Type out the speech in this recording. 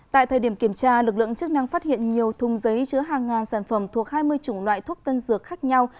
tại thời điểm kiểm tra lực lượng chức năng phát hiện nhiều thùng giấy chứa hàng ngàn sản phẩm thuộc hai mươi chủng loại thuốc tân dược khác nhau